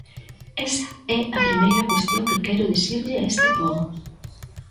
Esa é a primeira cuestión que quero dicirlle a este pobo.